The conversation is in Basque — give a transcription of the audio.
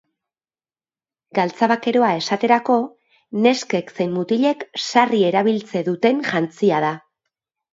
Galtza bakeroa esaterako, neskek zein mutilek sarri erabiltze duten jantzia da.